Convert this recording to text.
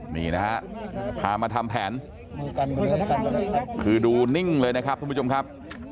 นี่นะฮะพามาทำแผนคือดูนิ่งเลยนะครับทุกผู้ชมครับ